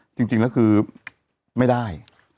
จริงแล้วคือไม่ได้